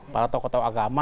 para tokoh tokoh agama